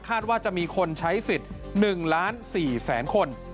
ว่าจะมีคนใช้สิทธิ์๑ล้าน๔แสนคน